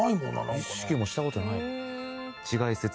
意識もした事ない。